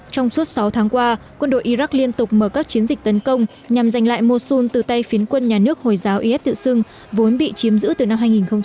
trong suốt sáu tháng qua quân đội iraq liên tục mở các chiến dịch tấn công nhằm giành lại mô sung từ tay phiến quân nhà nước hồi giáo is tự xưng vốn bị chiếm giữ từ năm hai nghìn một mươi